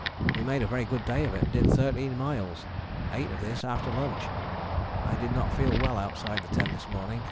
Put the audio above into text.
We made a very good day of it, did 13 miles: 8 of this after lunch. I did not feel well outside the tent this morning.